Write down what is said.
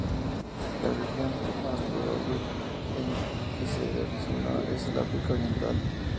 La región más probable en que se originó es el África Oriental.